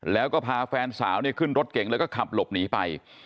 แล้วก็พาแฟนสาวเนี่ยขึ้นรถเก่งแล้วก็ขับหลบหนีไป